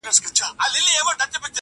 مرغۍ الوتې وه، خالي قفس ته ودرېدم ~